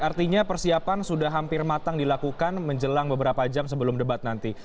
artinya persiapan sudah hampir matang dilakukan menjelang beberapa jam sebelum debat nanti